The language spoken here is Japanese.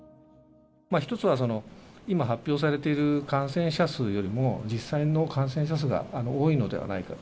１つは、今発表されている感染者数よりも、実際の感染者数が多いのではないかと。